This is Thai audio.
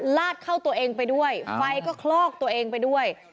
ลาดเข้าตัวเองไปด้วยไฟก็คลอกตัวเองไปด้วย